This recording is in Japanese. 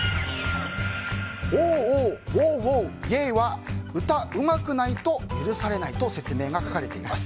オーオーウォウウォウイェーは歌、うまくないと許されないと説明が書かれています。